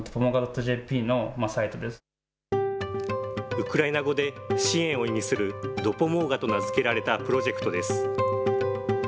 ウクライナ語で支援を意味するドポモーガと名付けられたプロジェクトです。